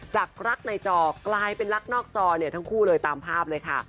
จากรักในจอกลายเป็นรักนอกจอเนี่ยทั้งคู่เลยตามภาพเลยค่ะ